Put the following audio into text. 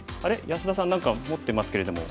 安田さん何か持ってますけれども。